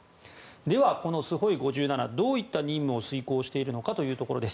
では、このスホイ５７どういった任務を遂行しているのかというところです。